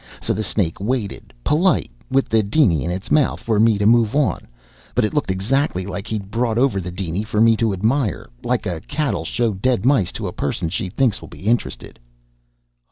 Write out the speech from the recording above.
So the snake waited, polite, with the diny in its mouth, for me to move on. But it looked exactly like he'd brought over the diny for me to admire, like a cat'll show dead mice to a person she thinks will be interested!"